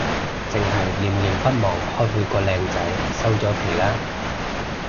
剩係念念不忘開會個靚仔，收咗皮喇